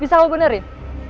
bisa kamu benerin